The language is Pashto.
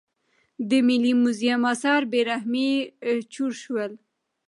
د ملي موزیم اثار په بې رحمۍ چور شول.